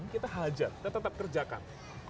kita hajar dan tetap kerjakan